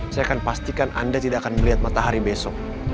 saya akan pastikan anda tidak akan melihat matahari besok